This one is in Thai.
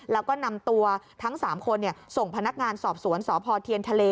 แล้วก็นำตัวทั้ง๓คนส่งพนักงานสอบสวนสพเทียนทะเล